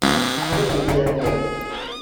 Ur asent-tthenniɣ.